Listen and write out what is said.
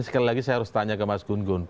sekali lagi saya harus tanya ke mas gun gun